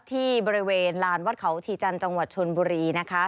ที่บริเวณลานวัดเขาชีจันทร์จังหวัดชนบุรีนะคะ